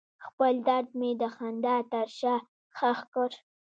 خپل درد مې د خندا تر شا ښخ کړ.